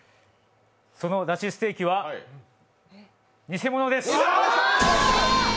その出汁ステーキは偽物です。